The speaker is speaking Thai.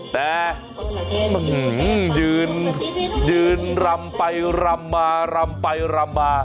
แต่ยืนลำไปลำมาลำไปลำมา